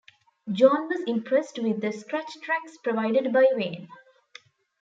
John was impressed with the scratch tracks provided by Wayne.